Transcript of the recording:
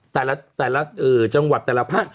แต่ละแต่ละเออจังหวัดแต่ละภาค